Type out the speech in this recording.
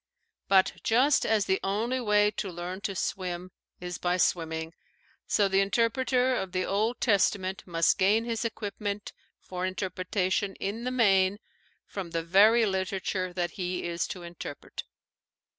But just as the only way to learn to swim is by swimming, so the interpreter of the Old Testament must gain his equipment for interpretation in the main from the very literature that he is to interpret.